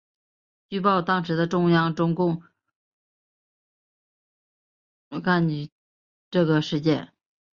据报当时的中共中央政法委书记罗干知道这个事件。